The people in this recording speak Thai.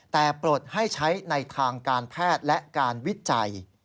แต่ปลดให้ใช้ในทางการแพทย์และการวิจัย